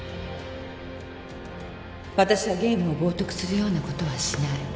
私はゲームを冒涜するようなことはしない